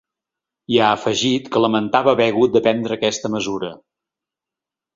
I ha afegit que lamentava haver hagut de prendre aquesta mesura.